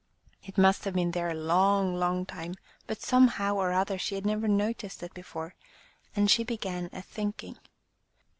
It must have been there a long, long time, but some how or other she had never noticed it before, and she began a thinking.